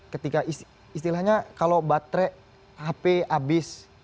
ketika istilahnya kalau baterai hp habis